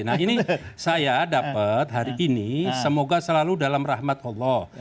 nah ini saya dapat hari ini semoga selalu dalam rahmat allah